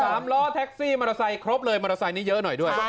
สามล้อแท็กซี่มอเตอร์ไซค์ครบเลยมอเตอร์ไซค์นี้เยอะหน่อยด้วย